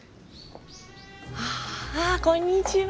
あこんにちは。